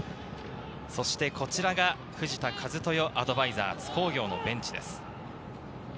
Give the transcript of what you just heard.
そしてこちらが藤田一豊アドバイザー、津工業のベンチです。